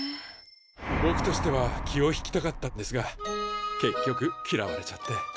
ぼくとしては気を引きたかったんですが結局きらわれちゃって。